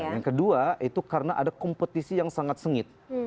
yang kedua itu karena ada kompetisi yang sangat sengit